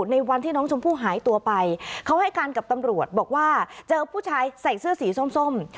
ในวันที่น้องชมพู่หายตัวไปเขาให้การกับตำรวจบอกว่าเจอผู้ชายใส่เสื้อสีส้ม